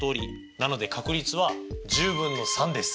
なので確率は１０分の３です。